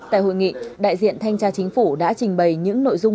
tại hội nghị đại diện thanh tra chính phủ đã trình bày những nội dung